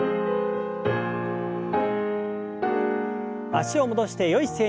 脚を戻してよい姿勢に。